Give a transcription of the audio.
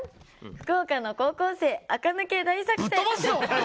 「福岡の高校生あか抜け大作戦！」。